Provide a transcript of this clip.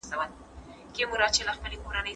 هغوی مڼې خوري.